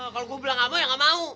kalau gue bilang gak mau ya gak mau